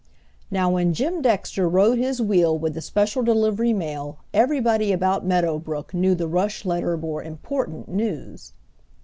Now when Jim Dexter rode his wheel with the special delivery mail everybody about Meadow Brook knew the rush letter bore important news.